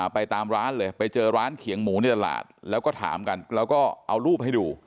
ไปตามร้านเลยไปเจอร้านเขียงหมูในตลาดแล้วก็ถามกันแล้วก็เอารูปให้ดู